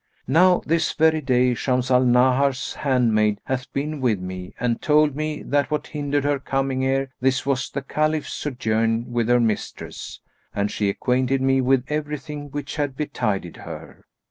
Now this very day, Shams al Nahar's handmaid hath been with me and told me that what hindered her coming ere this was the Caliph's sojourn with her mistress; and she acquainted me with everything which had betided her."